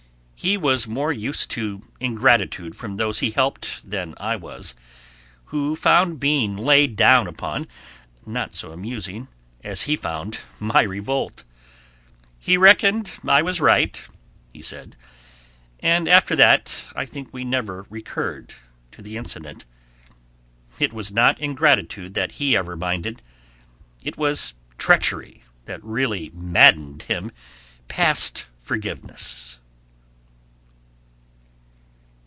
He was more used to ingratitude from those he helped than I was, who found being lain down upon not so amusing as he found my revolt. He reckoned I was right, he said, and after that I think we never recurred to the incident. It was not ingratitude that he ever minded; it was treachery, that really maddened him past forgiveness.